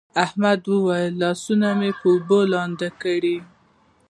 احمد وويل: لاسونه په اوبو لوند کړه.